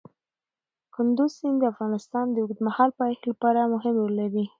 کندز سیند د افغانستان د اوږدمهاله پایښت لپاره مهم رول لري.